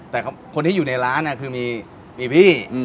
แต่คนที่อยู่ในร้านคือมีพี่